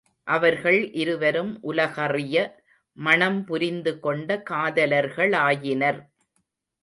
அவர்கள் இருவரும் உலகறிய மணம் புரிந்துகொண்ட காதலர்களாயினர்.